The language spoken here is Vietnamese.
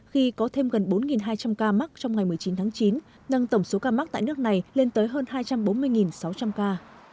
khi có thêm gần bốn hai trăm linh ca mắc trong ngày một mươi chín tháng chín nâng tổng số ca mắc tại nước này lên tới hơn hai trăm bốn mươi sáu trăm linh ca